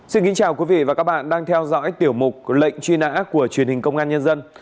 xin kính chào quý vị và các bạn đang theo dõi tiểu mục lệnh truy nã của truyền hình công an nhân dân